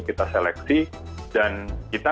kita seleksi dan kita